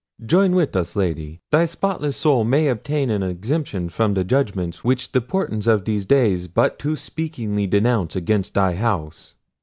Join with us, Lady! thy spotless soul may obtain an exemption from the judgments which the portents of these days but too speakingly denounce against thy house."